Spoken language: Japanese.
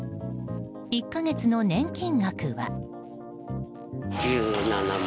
１か月の年金額は。